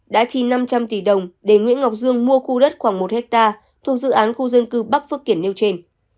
đã chi năm trăm linh tỷ đồng để nguyễn ngọc dương mua khu đất khoảng một ha thuộc dự án khu dân cư bắc phước kiển nêu trên